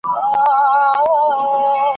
زه هوښیار یم خوله به څنګه خلاصومه !.